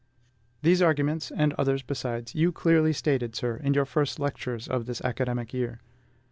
These arguments, and others besides, you clearly stated, sir, in your first lectures of this academic year.